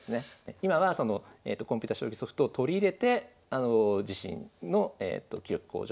今はそのコンピュータ将棋ソフトを取り入れて自身の棋力向上に役立ててると。